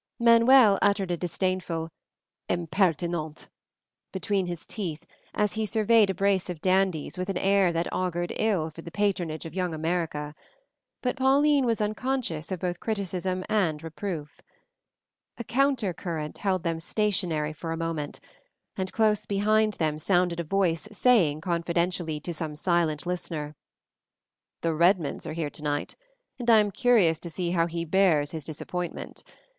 Manuel muttered a disdainful "Impertinente!" between his teeth as he surveyed a brace of dandies with an air that augured ill for the patronage of Young America, but Pauline was unconscious of both criticism and reproof. A countercurrent held them stationary for a moment, and close behind them sounded a voice saying, confidentially, to some silent listener, "The Redmonds are here tonight, and I am curious to see how he bears his disappointment.